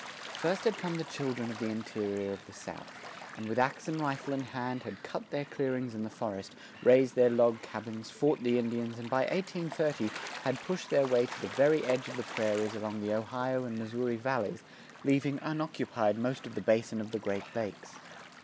First had come the children of the interior of the South, and with ax and rifle in hand had cut their clearings in the forest, raised their log cabins, fought the Indians and by 1830 had pushed their way to the very edge of the prairies along the Ohio and Missouri Valleys, leaving unoccupied most of the Basin of the Great Lakes.